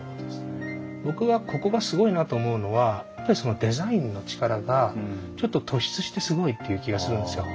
僕はここがすごいなと思うのはデザインの力がちょっと突出してすごいっていう気がするんですよ。